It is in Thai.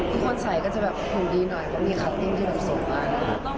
ทุกคนใส่ก็จะแบบห่วงดีหน่อยเพราะมีคาร์ติ้งที่แบบสูงบ้าน